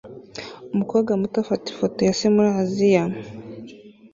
Umukobwa muto afata ifoto ya se muri Aziya